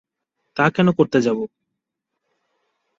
তা কেন করতে যাবো?